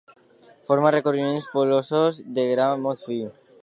Forma recobriments polsosos de gra molt fi.